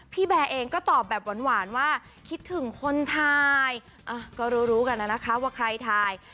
แบร์เองก็ตอบแบบหวานว่าคิดถึงคนถ่ายก็รู้รู้กันนะคะว่าใครถ่าย